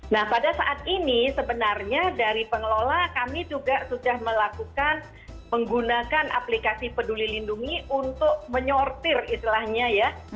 nah pada saat ini sebenarnya dari pengelola kami juga sudah melakukan menggunakan aplikasi peduli lindungi untuk menyortir istilahnya ya